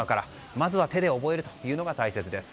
まずは手で覚えるのが大切です。